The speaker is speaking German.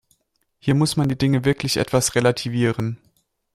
Hier muss man die Dinge wirklich etwas relativieren.